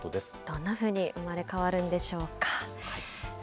どんなふうに生まれ変わるんでしょうか。